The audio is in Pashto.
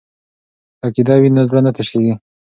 که عقیده وي نو زړه نه تشیږي.